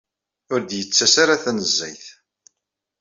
Ur d-yettas ara tanezzayt.